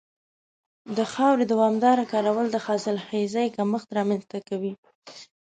د خاورې دوامداره کارول د حاصلخېزۍ کمښت رامنځته کوي.